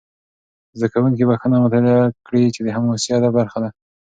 زده کوونکي بخښنه مطالعه کړي، چې د حماسي ادب برخه ده.